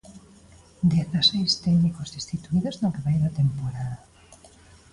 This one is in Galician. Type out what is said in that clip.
Dezaseis técnicos destituídos no que vai de temporada.